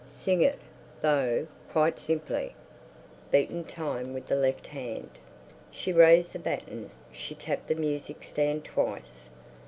Sing it, though, quite simply, beating time with the left hand." She raised the baton; she tapped the music stand twice.